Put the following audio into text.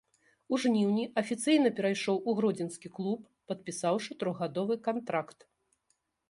У жніўні афіцыйна перайшоў у гродзенскі клуб, падпісаўшы трохгадовы кантракт.